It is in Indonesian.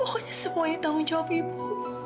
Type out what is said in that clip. pokoknya semua ini tanggung jawab ibu